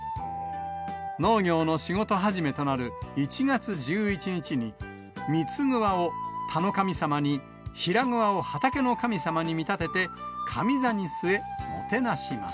農業の仕事始めとなる１月１１日に、三つ鍬を田の神様に、平鍬を畑の神様に見立てて、上座に据え、もてなします。